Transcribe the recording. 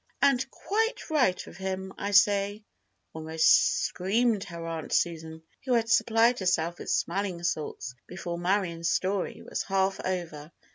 "And quite right of him, I say!" almost screamed her Aunt Susan, who had supplied herself with smelling salts before Marion's story was half over.